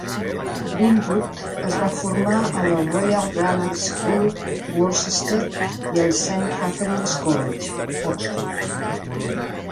Greenwood es va formar a la Royal Grammar School Worcester i al Saint Catherine's College, Oxford.